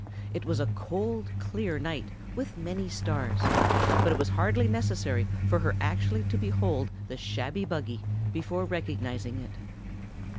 It was a cold clear night with many stars, but it was hardly necessary for her actually to behold the shabby buggy before recognizing it.